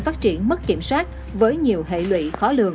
phát triển mất kiểm soát với nhiều hệ lụy khó lường